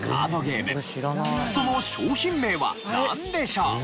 その商品名はなんでしょう？